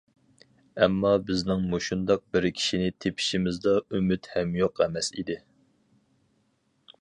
ئەمما بىزنىڭ مۇشۇنداق بىر كىشىنى تېپىشىمىزدا ئۈمىد ھەم يوق ئەمەس ئىدى.